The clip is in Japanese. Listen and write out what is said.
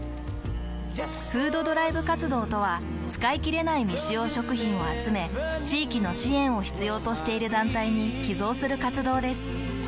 「フードドライブ活動」とは使いきれない未使用食品を集め地域の支援を必要としている団体に寄贈する活動です。